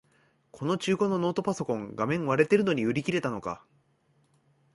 この中古のノートパソコン、画面割れてるのに売り切れたのか